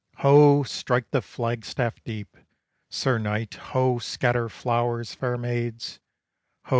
Ho! strike the flag staff deep, Sir Knight: ho! scatter flowers, fair maids: Ho!